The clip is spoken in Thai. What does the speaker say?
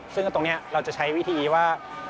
ซึ่งตรงนี้เราจะใช้วิธีว่า